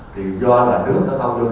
thì do là nước nó không được cộng đồng